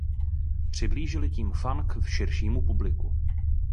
Přiblížili tím funk širšímu publiku.